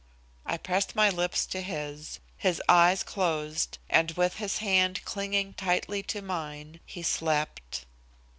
I pressed my lips to his. His eyes closed, and with his hand clinging tightly to mine, he slept.